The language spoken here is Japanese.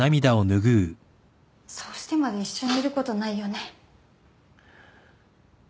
そうしてまで一緒にいることないよね。